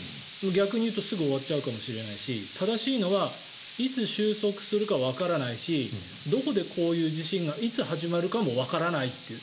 逆に言うとすぐ終わっちゃうかもしれないし正しいのはいつ収束するかわからないしどこでこういう地震がいつ始まるかもわからないっていう。